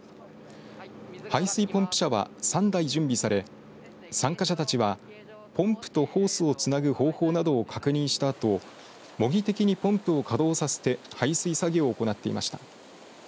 排水ポンプ車は、３台準備され参加者たちはポンプとホースをつなぐ方法などを確認したあと模擬的にポンプを稼働させて排水作業を行っていました。